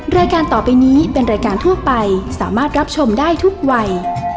รายการต่อไปนี้เป็นรายการทั่วไปสามารถรับชมได้ทุกวัย